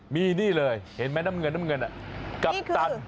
มีนี่เลยเห็นไหมน้ำเงินน่ะ